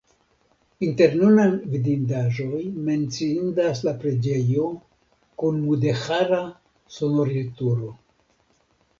Inter nunaj vidindaĵoj menciindas la preĝejo kun mudeĥara sonorilturo.